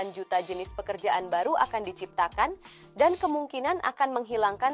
delapan juta jenis pekerjaan baru akan diciptakan dan kemungkinan akan menghilangkan